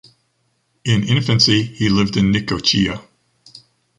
In infancy he lived in Necochea.